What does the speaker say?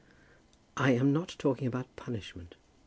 "I am not talking about punishment."